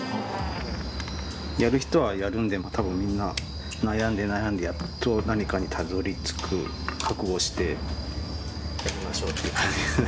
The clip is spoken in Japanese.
やる人はやるんで多分みんな悩んで悩んでやっと何かにたどりつく覚悟をしてやりましょうっていう感じですね。